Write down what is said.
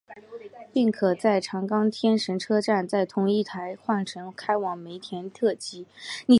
并可在长冈天神车站在同一月台换乘开往梅田的特急。